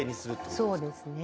そうですね。